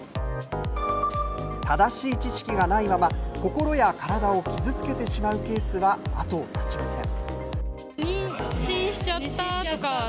正しい知識がないまま、心や体を傷つけてしまうケースは後を絶ちません。